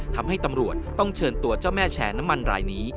ทำให้ตำรวจต้องเชิญตัวเจ้าแม่แชร์น้ำมันรายนี้